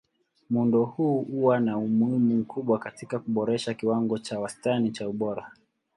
Muundo huu huwa na umuhimu mkubwa katika kuboresha kiwango cha wastani cha ubora.